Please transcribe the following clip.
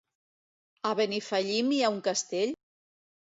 A Benifallim hi ha un castell?